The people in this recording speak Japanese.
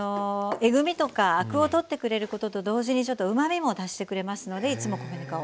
えぐみとかアクを取ってくれることと同時にちょっとうまみも足してくれますのでいつも米ぬかを使っています。